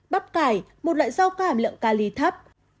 bắp cải một loại rau có hàm lượng cali thấp